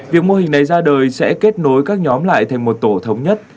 việc mô hình này ra đời sẽ kết nối các nhóm lại thành một tổ thống nhất